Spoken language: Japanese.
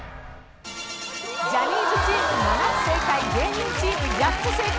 ジャニーズチーム７つ正解芸人チーム８つ正解。